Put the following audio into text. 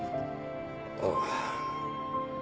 ああ。